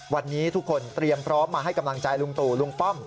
วันนี้ทุกคนเตรียมพร้อมมาให้กำลังใจลุงตู่ลุงป้อม